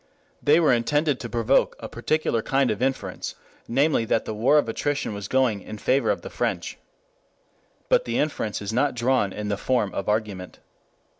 They were intended to provoke a particular kind of inference, namely that the war of attrition was going in favor of the French. But the inference is not drawn in the form of argument.